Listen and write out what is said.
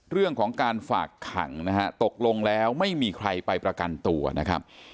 เรื่องของการฝากขังนะฮะตกลงแล้วไม่มีใครไปประกันตัวนะครับ